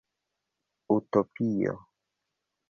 Utopio!